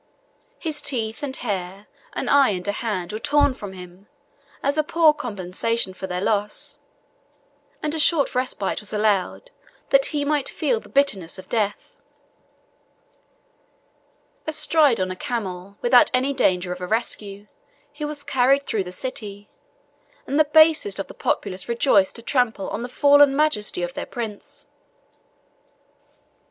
His teeth and hair, an eye and a hand, were torn from him, as a poor compensation for their loss: and a short respite was allowed, that he might feel the bitterness of death. Astride on a camel, without any danger of a rescue, he was carried through the city, and the basest of the populace rejoiced to trample on the fallen majesty of their prince.